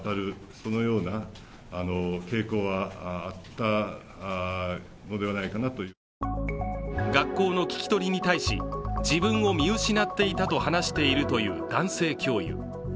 また、男性教諭については学校の聞き取りに対し、自分を見失っていたと話しているという男性教諭。